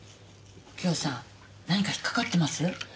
右京さん何か引っかかってます？